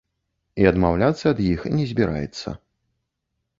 І адмаўляцца ад іх не збіраецца.